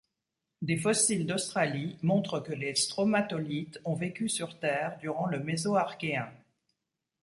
Des fossiles d'Australie montrent que les stromatolithes ont vécu sur Terre durant le Mésoarchéen.